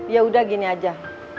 yaudah gini aja